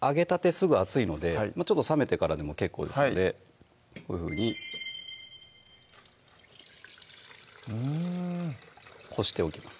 すぐ熱いので冷めてからでも結構ですのでこういうふうにうんこしておきます